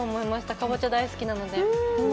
かぼちゃ大好きなので。